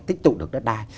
tích tụ được đất đai